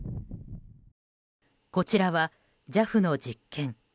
こちらはＪＡＦの実験。